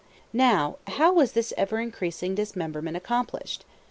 Now, how was this ever increasing dismemberment accomplished?